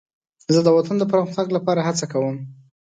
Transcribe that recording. زه د وطن د پرمختګ لپاره هڅه کوم.